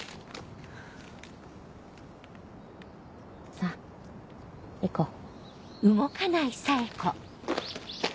さぁ行こう。